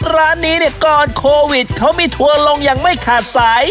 ร้านนี้เนี่ยก่อนโควิดเขามีทัวร์ลงอย่างไม่ขาดสาย